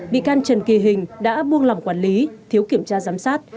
bị can trần kỳ hình đã buông lỏng quản lý thiếu kiểm tra giám sát